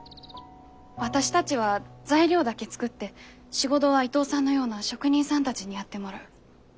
私たちは材料だけ作って仕事は伊藤さんのような職人さんたちにやってもらう。